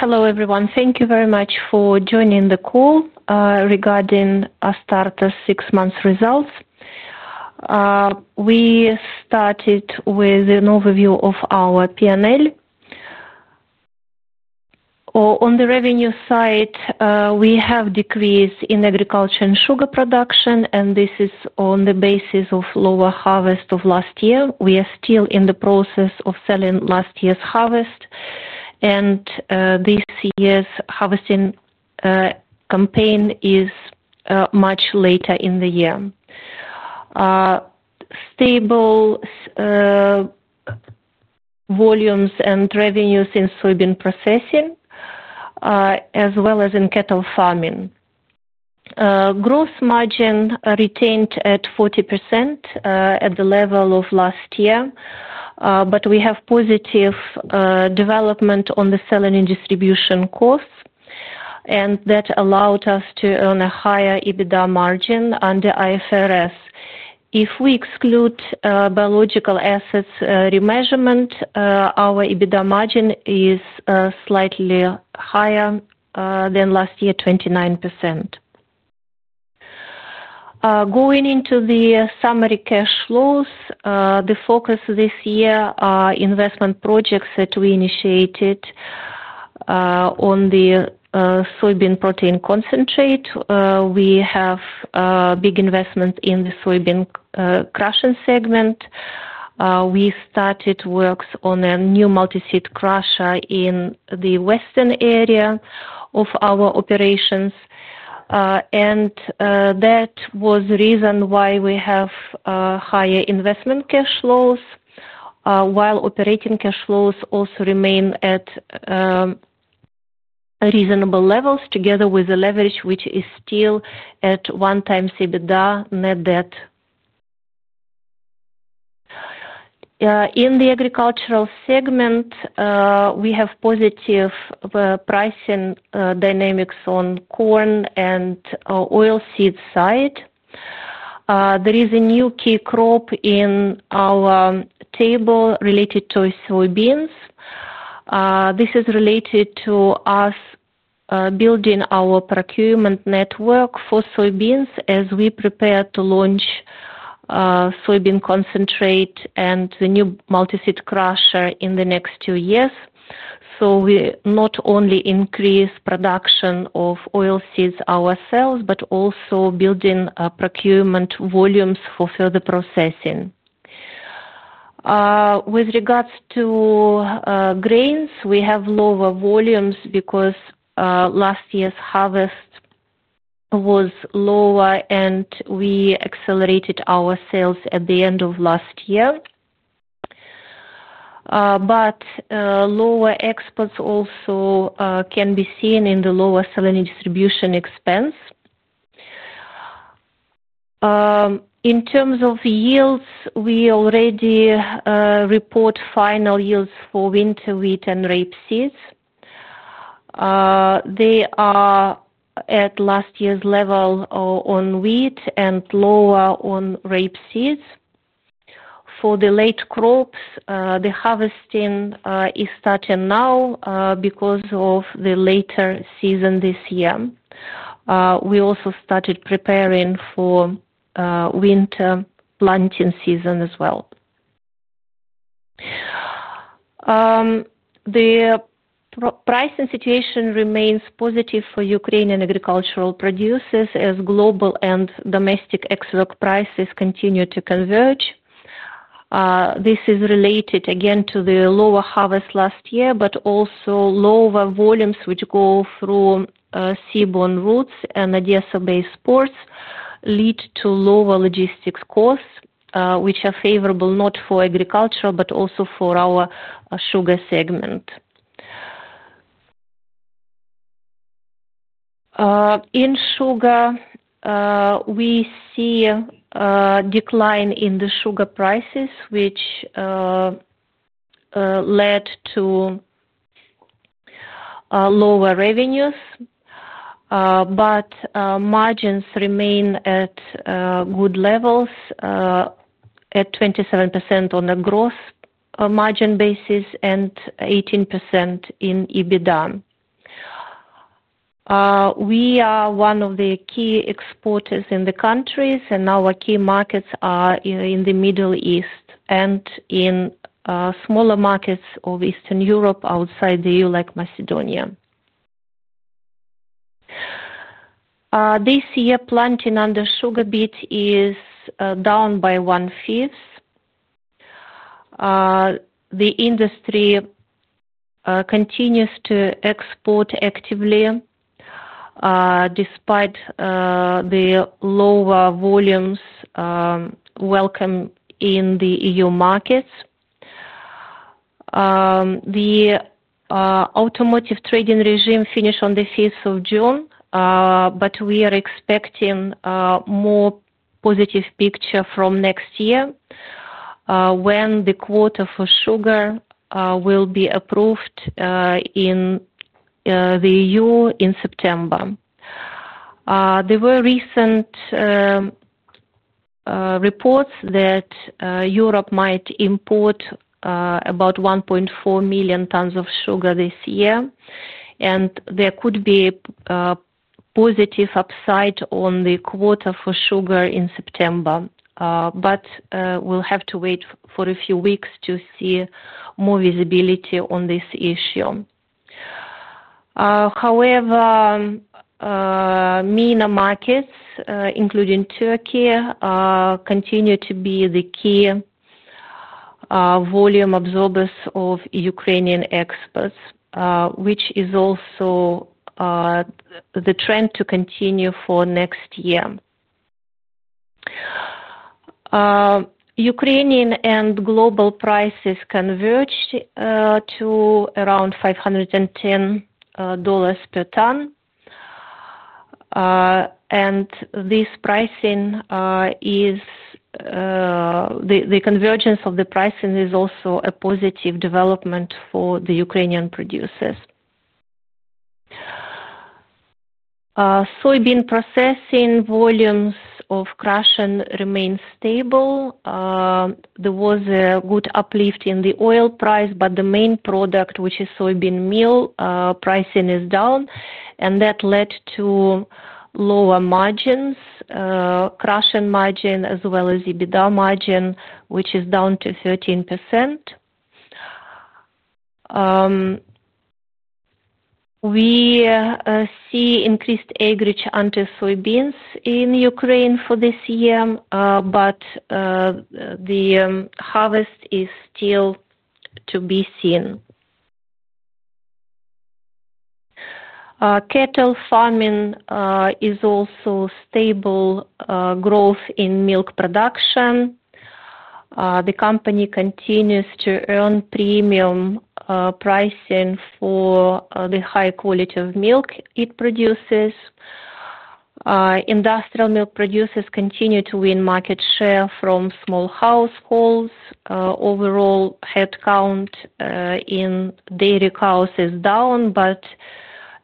Hello, everyone. Thank you very much for joining the call regarding Astarta's six-month results. We started with an overview of our P&L. On the revenue side, we have a decrease in agriculture and sugar production, and this is on the basis of lower harvest of last year. We are still in the process of selling last year's harvest, and this year's harvesting campaign is much later in the year. Stable volumes and revenues in soybean processing, as well as in cattle farming. Gross margin retained at 40% at the level of last year, but we have positive development on the selling and distribution costs, and that allowed us to earn a higher EBITDA margin under IFRS. If we exclude biological asset remeasurement, our EBITDA margin is slightly higher than last year, 29%. Going into the summary cash flows, the focus this year is on investment projects that we initiated on the soybean protein concentrate. We have a big investment in the soybean crushing segment. We started works on a new multi-seed crusher in the western area of our operations, and that was the reason why we have higher investment cash flows, while operating cash flows also remain at reasonable levels together with the leverage which is still at one-time EBITDA, net debt. In the agricultural segment, we have positive pricing dynamics on corn and oilseed side. There is a new key crop in our table related to soybeans. This is related to us building our procurement network for soybeans as we prepare to launch soybean protein concentrate and the new multi-seed crusher in the next two years. We not only increase production of oilseeds ourselves, but also building procurement volumes for further processing. With regards to grains, we have lower volumes because last year's harvest was lower, and we accelerated our sales at the end of last year. Lower exports also can be seen in the lower selling and distribution expense. In terms of yields, we already report final yields for winter wheat and rapeseeds. They are at last year's level on wheat and lower on rapeseeds. For the late crops, the harvesting is starting now because of the later season this year. We also started preparing for winter planting season as well. The pricing situation remains positive for Ukrainian agricultural producers as global and domestic export prices continue to converge. This is related again to the lower harvest last year, but also lower volumes which go through seaborn routes and Odesa-based ports lead to lower logistics costs, which are favorable not for agriculture, but also for our sugar segment. In sugar, we see a decline in the sugar prices, which led to lower revenues, but margins remain at good levels at 27% on a gross margin basis and 18% in EBITDA. We are one of the key exporters in the countries, and our key markets are in the Middle East and in smaller markets of Eastern Europe outside the EU, like Macedonia. This year, planting under sugar beet is down by one-fifth. The industry continues to export actively despite the lower volumes welcomed in the EU markets. The automotive trading regime finished on the 5th of June, but we are expecting a more positive picture from next year when the quota for sugar will be approved in the EU in September. There were recent reports that Europe might import about 1.4 million tons of sugar this year, and there could be a positive upside on the quota for sugar in September, but we'll have to wait for a few weeks to see more visibility on this issue. However, MENA markets, including Turkey, continue to be the key volume absorbers of Ukrainian exports, which is also the trend to continue for next year. Ukrainian and global prices converge to around $510 per ton, and the convergence of the pricing is also a positive development for the Ukrainian producers. Soybean processing volumes of crushing remain stable. There was a good uplift in the oil price, but the main product, which is soybean meal, pricing is down, and that led to lower margins, crushing margin as well as EBITDA margin, which is down to 13%. We see increased acreage under soybeans in Ukraine for this year, but the harvest is still to be seen. Cattle farming is also stable. Growth in milk production. The company continues to earn premium pricing for the high quality of milk it produces. Industrial milk producers continue to win market share from small households. Overall, headcount in dairy cows is down, but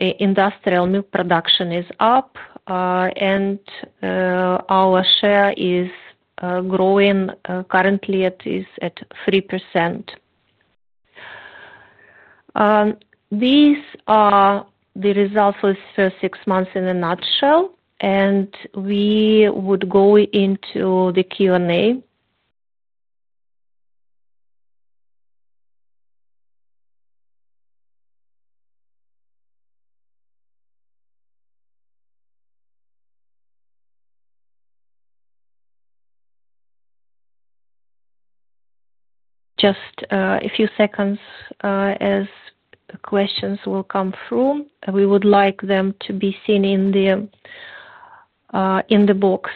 industrial milk production is up, and our share is growing. Currently, it is at 3%. These are the results of the first six months in a nutshell, and we would go into the Q&A. Just a few seconds as questions will come through. We would like them to be seen in the box.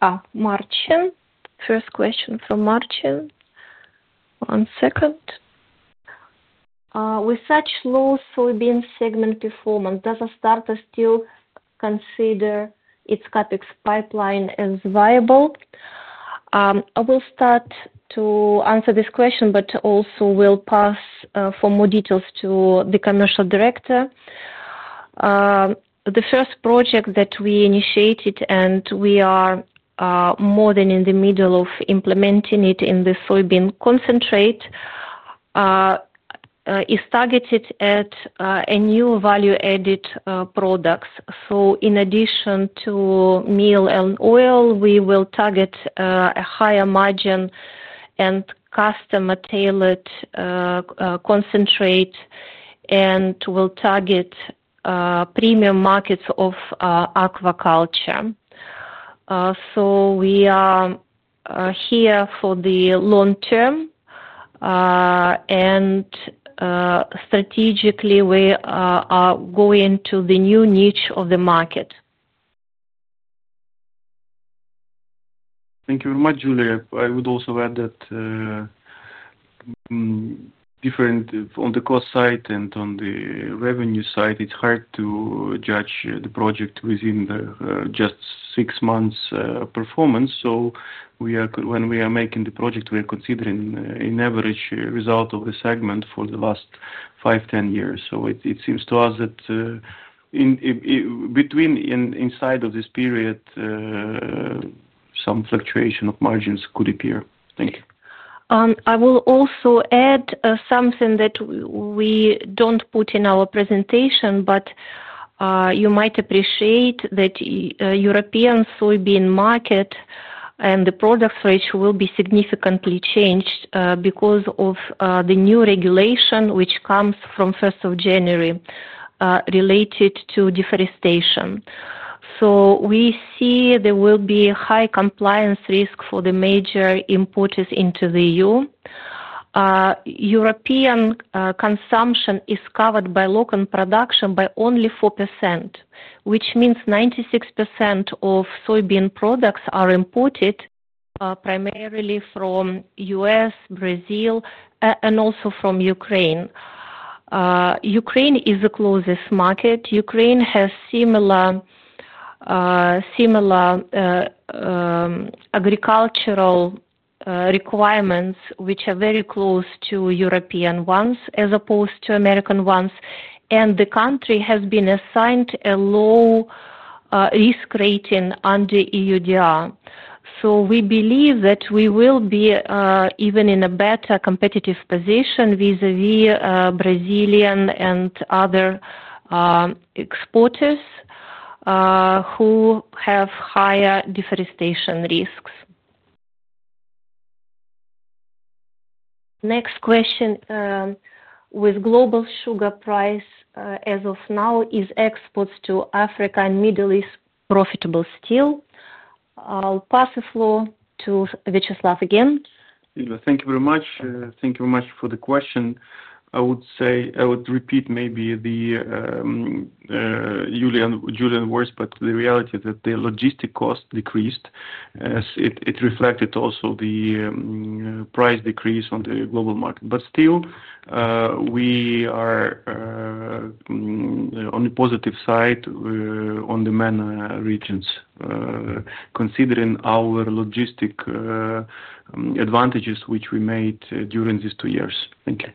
Oh, margin. First question for margin. One second. With such low soybean segment performance, does Astarta still consider its CapEx pipeline as viable? I will start to answer this question, but also will pass for more details to the Commercial Director. The first project that we initiated, and we are more than in the middle of implementing it in the soybean concentrate, is targeted at a new value-added product. In addition to meal and oil, we will target a higher margin and customer-tailored concentrate and will target premium markets of aquaculture. We are here for the long term, and strategically, we are going to the new niche of the market. Thank you very much, Yuliya. I would also add that different on the cost side and on the revenue side, it's hard to judge the project within just six months' performance. When we are making the project, we are considering an average result of the segment for the last 5, 10 years. It seems to us that inside of this period, some fluctuation of margins could appear. Thank you. I will also add something that we don't put in our presentation, but you might appreciate that the European soybean market and the product's reach will be significantly changed because of the new regulation which comes from January 1 related to deforestation. We see there will be a high compliance risk for the major importers into the EU. European consumption is covered by local production by only 4%, which means 96% of soybean products are imported primarily from the U.S., Brazil, and also from Ukraine. Ukraine is the closest market. Ukraine has similar agricultural requirements which are very close to European ones as opposed to American ones, and the country has been assigned a low-risk rating under EUDR. We believe that we will be even in a better competitive position vis-à-vis Brazilian and other exporters who have higher deforestation risks. Next question. With global sugar price as of now, is exports to Africa and the Middle East profitable still? I'll pass the floor to Viacheslav again. Thank you very much. Thank you very much for the question. I would say I would repeat maybe the Yuliya words, but the reality is that the logistic cost decreased as it reflected also the price decrease on the global market. Still, we are on the positive side on the MENA regions considering our logistic advantages which we made during these two years. Thank you.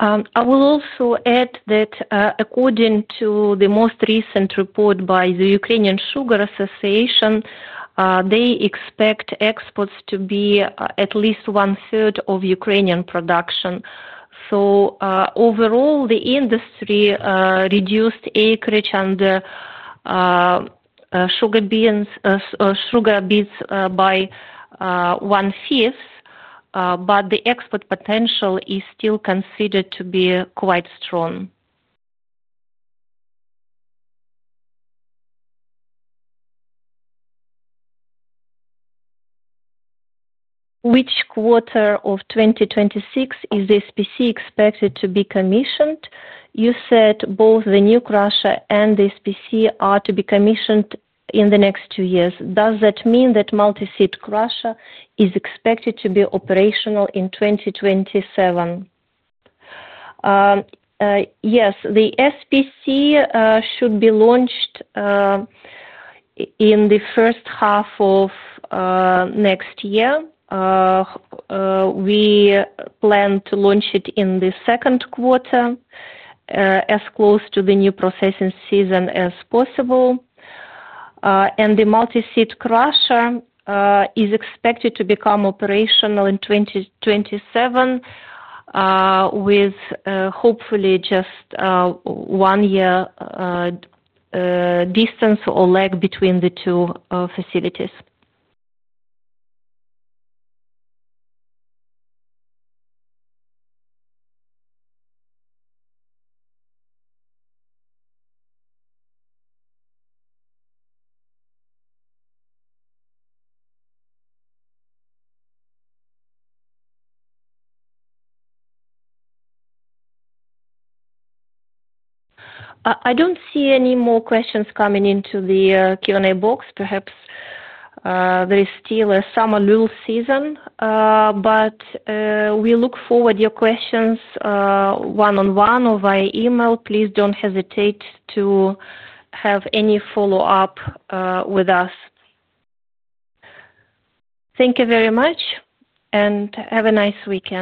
I will also add that according to the most recent report by the Ukrainian Sugar Association, they expect exports to be at least one-third of Ukrainian production. Overall, the industry reduced acreage under sugar beets by 20%, but the export potential is still considered to be quite strong. Which quarter of 2026 is the SPC expected to be commissioned? You said both the new crusher and the SPC are to be commissioned in the next two years. Does that mean that multi-seed crusher is expected to be operational in 2027? Yes. The SPC should be launched in the first half of next year. We plan to launch it in the second quarter as close to the new processing season as possible. The multi-seed crusher is expected to become operational in 2027 with hopefully just one-year distance or lag between the two facilities. I don't see any more questions coming into the Q&A box. Perhaps there is still a summer lull season, but we look forward to your questions one-on-one or via email. Please don't hesitate to have any follow-up with us. Thank you very much, and have a nice weekend.